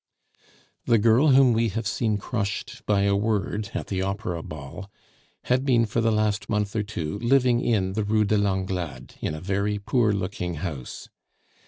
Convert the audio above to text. The girl whom we have seen crushed by a word at the opera ball had been for the last month or two living in the Rue de Langlade, in a very poor looking house.